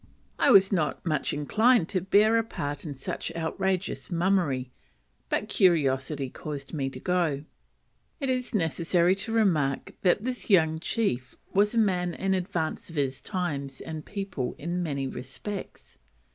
I was not much inclined to bear a part in such outrageous mummery, but curiosity caused me to go. It is necessary to remark that this young chief was a man in advance of his times and people in many respects.